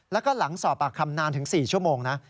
แล้วก็หลังสอบปากคำนานถึง๔ชั่วโมงนะ